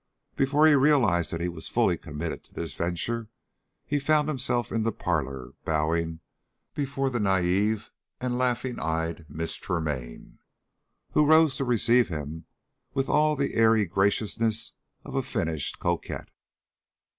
Before he realized that he was fully committed to this venture, he found himself in the parlor bowing before the naïve and laughing eyed Miss Tremaine, who rose to receive him with all the airy graciousness of a finished coquette.